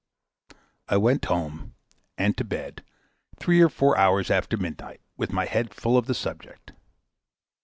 I went home, and to bed, three or four hours after midnight, with my head full of the subject.